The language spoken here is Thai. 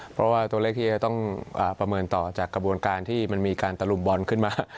เพราะว่าตัวเลขที่จะต้องประเมินต่อจากกระบวนการที่มันมีการตะลุมบอลขึ้นมา